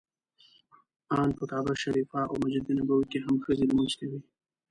ان په کعبه شریفه او مسجد نبوي کې هم ښځې لمونځ کوي.